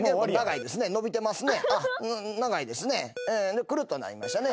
でくるっとなりましたね。